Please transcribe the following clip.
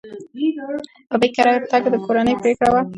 ببۍ کره تګ د کورنۍ پرېکړه وه.